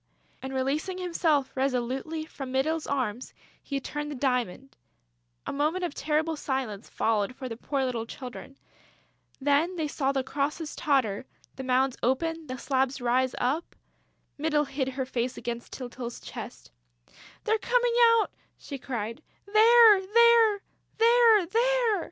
And releasing himself resolutely from Mytyl's arms, he turned the diamond.... A moment of terrible silence followed for the poor little children. Then they saw the crosses totter, the mounds open, the slabs rise up.... Mytyl hid her face against Tyltyl's chest: "They're coming out!" she cried. "They're there!... They're there!..."